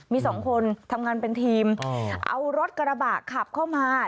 มีสองคนทำงานเป็นทีมเอารถกระบะขับเข้ามา